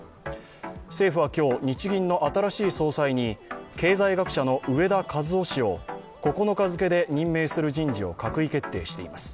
政府は今日、日銀の新しい総裁に植田和男氏を９日付で任命する人事を閣議決定しています。